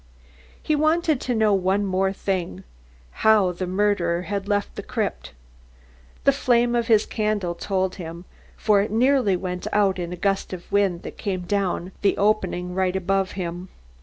He wanted to know one thing more: how the murderer had left the crypt. The flame of his candle told him, for it nearly went out in a gust of wind that came down the opening right above him.